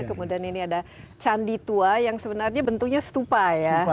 kemudian ini ada candi tua yang sebenarnya bentuknya stupa ya